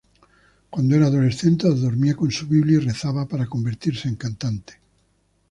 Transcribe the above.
Cuando era adolescente, dormía con su Biblia y rezaba para convertirse en cantante.